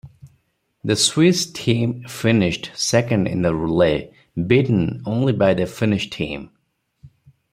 The Swiss team finished second in the relay, beaten only by the Finnish team.